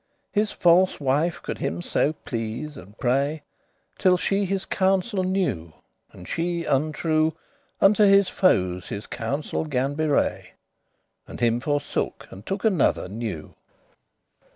His false wife could him so please, and pray, Till she his counsel knew; and she, untrue, Unto his foes his counsel gan bewray, And him forsook, and took another new.